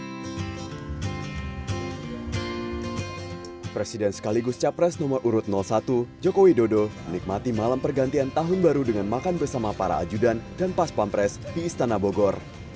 presiden sekaligus capres nomor urut satu jokowi dodo menikmati malam pergantian tahun baru dengan makan bersama para ajudan dan pas pampres di istana bogor